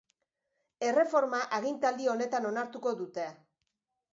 Erreforma agintaldi honetan onartuko dute.